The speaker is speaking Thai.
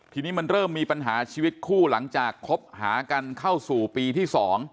ทีนี้มันเริ่มมีปัญหาชีวิตคู่หลังจากคบหากันเข้าสู่ปีที่๒